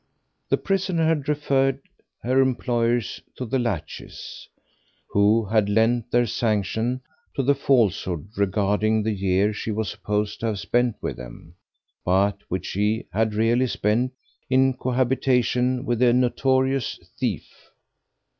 The prisoner had referred her employers to the Latches, who had lent their sanction to the falsehood regarding the year she was supposed to have spent with them, but which she had really spent in cohabitation with a notorious thief.